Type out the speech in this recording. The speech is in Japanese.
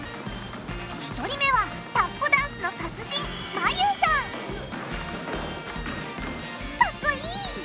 １人目はタップダンスの達人ＭＡＹＵさんかっこいい！